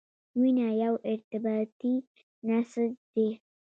وینه یو ارتباطي نسج دی.